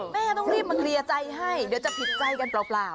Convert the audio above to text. แม่ต้องรีบมาเคลียร์ใจให้เดี๋ยวจะผิดใจกันเปล่า